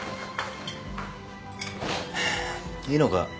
いいのか？